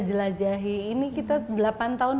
jelajahi ini kita delapan tahun